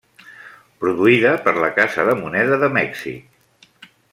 Produïda per la Casa de Moneda de Mèxic.